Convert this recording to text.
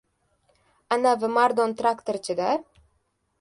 — Anavi Mardon traktorchi-da.